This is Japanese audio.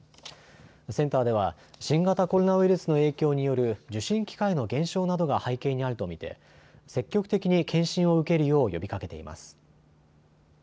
センターでは新型コロナウイルスの影響による受診機会の減少などが背景にあると見て積極的に検診を受けるよう呼びかけています。